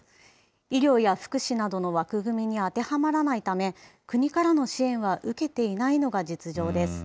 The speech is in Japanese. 医療や福祉などの枠組みに当てはまらないため、国からの支援は受けていないのが実情です。